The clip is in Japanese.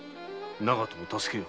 長門を助けよ。